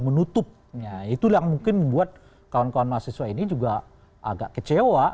menutupnya itu yang mungkin membuat kawan kawan mahasiswa ini juga agak kecewa